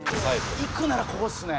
いくならここっすね。